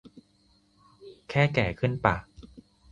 แค่แก่ขึ้นปะ